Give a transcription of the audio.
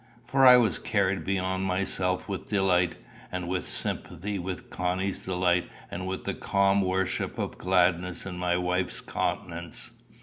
For I was carried beyond myself with delight, and with sympathy with Connie's delight and with the calm worship of gladness in my wife's countenance.